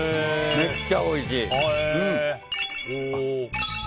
めっちゃおいしい！